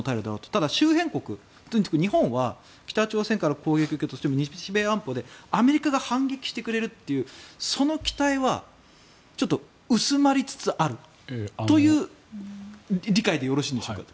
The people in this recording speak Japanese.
ただ、周辺国、日本は北朝鮮から攻撃を受けたとしても日米安保でアメリカが反撃してくれるというその期待はちょっと薄まりつつあるという理解でよろしいんでしょうか。